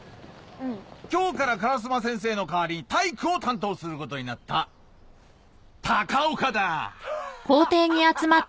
うん今日から烏間先生の代わりに体育を担当することになった鷹岡だハハハハハ！